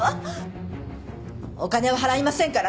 お金は払いませんからね。